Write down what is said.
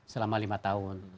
selama lima tahun